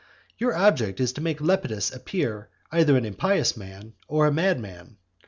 Your object is to make Lepidus appear either an impious man, or a madman.